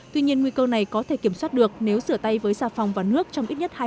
tuy nhiên nguy cơ này có thể kiểm soát được nếu rửa tay với xà phòng và nước trong ít nhất hai mươi